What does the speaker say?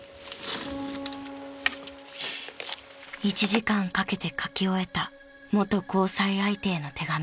［１時間かけて書き終えた元交際相手への手紙］